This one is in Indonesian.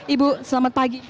ibu selamat pagi